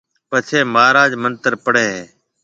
پڇيَ مھاراج منتر پڙھيََََ ھيََََ